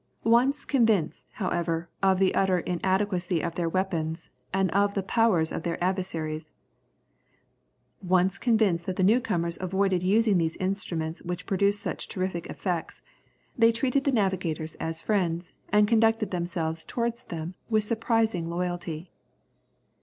Once convinced, however, of the utter inadequacy of their weapons, and of the powers of their adversaries, once convinced that the new comers avoided using those instruments which produced such terrific effects, they treated the navigators as friends, and conducted themselves towards them with surprising loyalty.